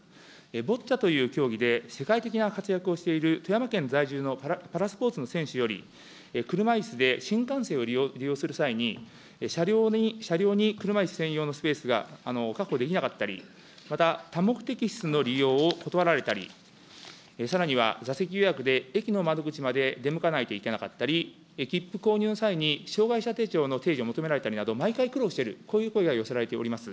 ボッチャという競技で世界的な活躍をしている富山県在住のパラスポーツの選手より、車いすで新幹線を利用する際に車両に車いす専用のスペースが確保できなかったり、また、多目的室の利用を断られたり、さらには、座席予約で駅の窓口まで出向かないといけなかったり、切符購入の際に障害者手帳の提示を求められたりなど、毎回苦労している、こういう声が寄せられております。